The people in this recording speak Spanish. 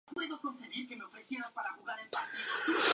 El proceso de trasladar el templo llevó más de dos años.